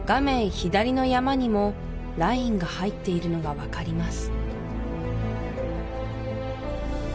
左の山にもラインが入っているのが分かります